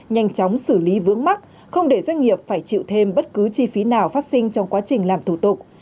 nhanh chóng xử lý vướng mắc không để doanh nghiệp phải chịu thêm bất cứ chi phí nào phát sinh trong quá trình làm thủ tục